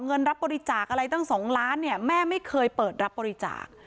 เงินรับบริจาคอะไรตั้ง๒ล้านเนี่ยแม่ไม่เคยเปิดรับบริจาค